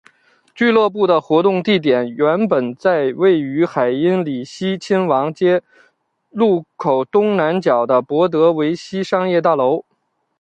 俱乐部的活动地点原本在位于海因里希亲王街路口东南角的博德维希商业大楼。